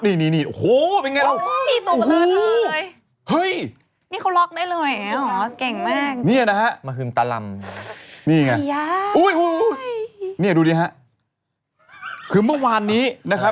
นี่นี่นี่